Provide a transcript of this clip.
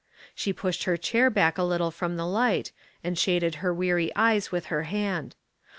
She pushed her chair back a little from the light, and shaded her weary eyes with her hand.